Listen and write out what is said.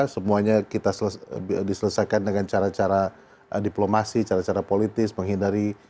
semuanya kita diselesaikan dengan cara cara diplomasi cara cara politis menghindari